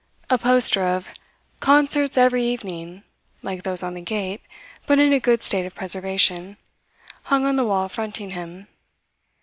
A poster of CONCERTS EVERY EVENING, like those on the gate, but in a good state of preservation, hung on the wall fronting him.